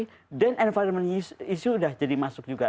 then environment issue sudah jadi masuk juga